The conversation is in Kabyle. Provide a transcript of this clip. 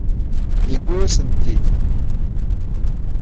Yuwi-asent-tent-id.